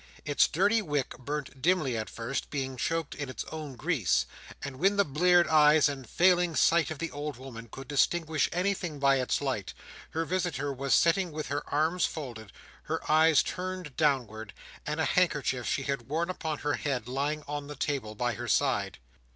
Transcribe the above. Its dirty wick burnt dimly at first, being choked in its own grease; and when the bleared eyes and failing sight of the old woman could distinguish anything by its light, her visitor was sitting with her arms folded, her eyes turned downwards, and a handkerchief she had worn upon her head lying on the table by her side.